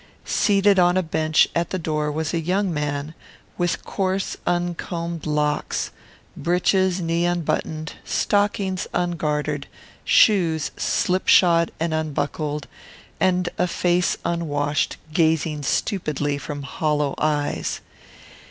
Seated on a bench at the door was a young man, with coarse uncombed locks, breeches knee unbuttoned, stockings ungartered, shoes slipshod and unbuckled, and a face unwashed, gazing stupidly from hollow eyes.